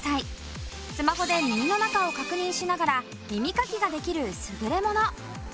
スマホで耳の中を確認しながら耳かきができる優れもの。